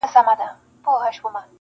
چي د ښار په منځ کی پاته لا پوهان وي -